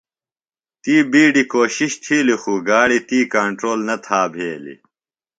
تی بِیڈیۡ کوشِش تِھیلیۡ خوۡ گاڑیۡ تی کنٹرول نہ تھا بھیلیۡ۔